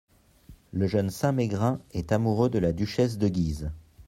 Le jeune Saint-Mégrin est amoureux de la duchesse de Guise.